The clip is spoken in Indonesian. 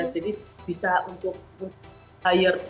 jadi bisa untuk hire itulah para ahli ahli lah gitu